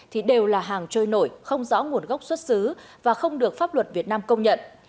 thì đều là hàng trôi nổi không rõ nguồn gốc xuất xứ và không được pháp luật việt nam công nhận